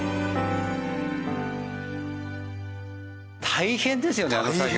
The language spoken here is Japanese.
大変ですよねあの作業。